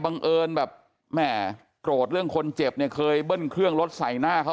บังเอิญแบบแม่โกรธเรื่องคนเจ็บเนี่ยเคยเบิ้ลเครื่องรถใส่หน้าเขา